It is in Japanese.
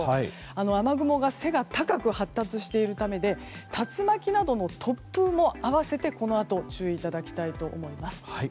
雨雲が背が高く発達しているためで竜巻などの突風も併せて、このあとご注意いただきたいと思います。